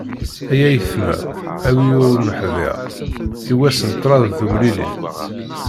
Ay ayetma a wi ur nḥḍir, i wass n ṭṭrad tumlilin.